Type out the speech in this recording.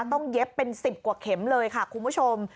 เย็บเป็น๑๐กว่าเข็มเลยค่ะคุณผู้ชม